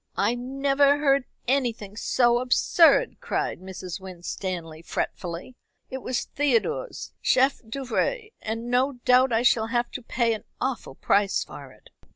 "I never heard anything so absurd," cried Mrs. Winstanley fretfully. "It was Theodore's chef d'oeuvre, and no doubt I shall have to pay an awful price for it."